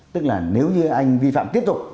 tức là nếu như anh vi phạm tiếp tục